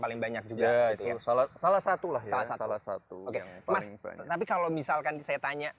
paling banyak juga salah salah satulah salah satu yang paling banyak tapi kalau misalkan saya tanya